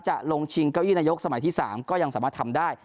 จะลงชิงเก้าอี้นายกสมัยที่๓ก็ยังสามารถทำได้